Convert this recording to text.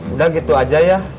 udah gitu aja ya